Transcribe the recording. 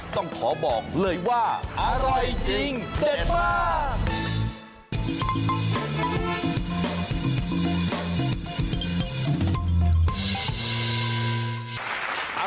ต้องขอบอกเลยว่าอร่อยจริงเด็ดมาก